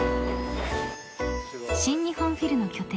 ［新日本フィルの拠点